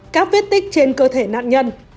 các viết tích trên cơ thể nạn nhân